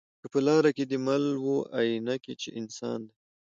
که په لاره کی دي مل وو آیینه کي چي انسان دی